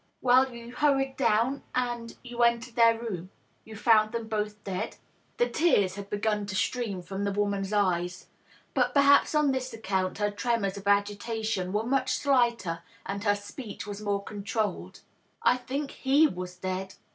Well ? You hurried down, and you entered their room. You fouud them both dead ?" The tears had begun to stream from the woman's eyes. But per haps on this account her tremors of agitation were much slighter, and her speech was more controlled. " I &ink he was dead.